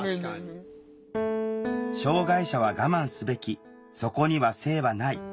障害者は我慢すべきそこには性はない。